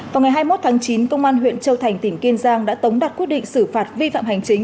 vào ngày hai mươi một tháng chín công an huyện châu thành tỉnh kiên giang đã tống đặt quyết định xử phạt vi phạm hành chính